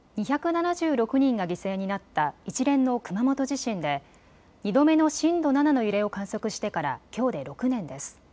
２７６人が犠牲になった一連の熊本地震で２度目の震度７の揺れを観測してからきょうで６年です。